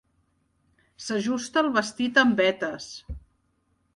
S'ajusta el vestit amb vetes.